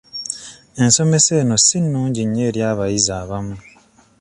Ensomesa eno si nnungi nnyo eri abayizi abamu.